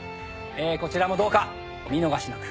こちらもどうかお見逃しなく。